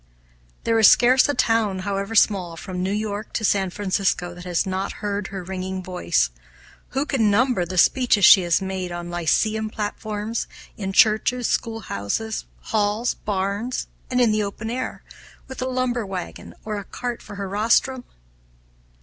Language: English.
There is scarce a town, however small, from New York to San Francisco, that has not heard her ringing voice. Who can number the speeches she has made on lyceum platforms, in churches, schoolhouses, halls, barns, and in the open air, with a lumber wagon or a cart for her rostrum?